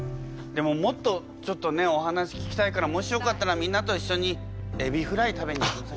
でももっとちょっとねお話聞きたいからもしよかったらみんなといっしょにエビフライ食べに行きませんか？